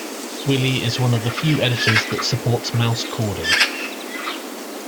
Wily is one of the few editors that supports mouse chording.